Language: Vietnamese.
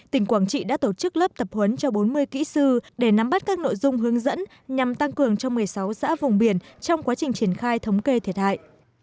tỉnh quảng trị đã tổ chức lớp tập huấn cho bốn mươi kỹ sư để nắm bắt các nội dung hướng dẫn nhằm tăng cường cho một mươi sáu xã vùng biển trong quá trình triển khai thống kê thiệt hại